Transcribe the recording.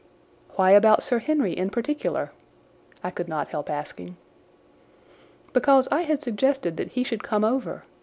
"Why about Sir Henry in particular?" I could not help asking. "Because I had suggested that he should come over.